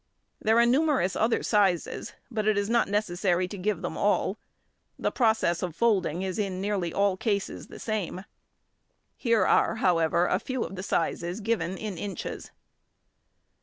There are numerous other sizes, but it is not necessary to give them all; the process of folding is in nearly all cases the same; here are however, a few of the sizes given in inches.